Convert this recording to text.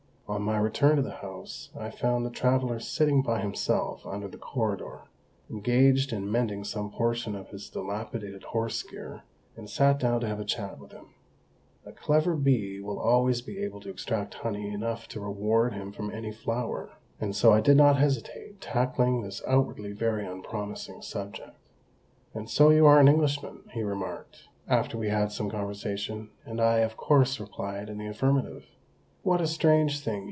On my return to the house I found the traveller sitting by himself under the corridor, engaged in mending some portion of his dilapidated horse gear, and sat down to have a chat with him. A clever bee will always be able to extract honey enough to reward him from any flower, and so I did not hesitate tackling this outwardly very unpromising subject. "And so you are an Englishman," he remarked, after we had had some conversation; and I, of course, replied in the affirmative. "What a strange thing!"